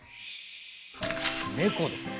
猫ですね。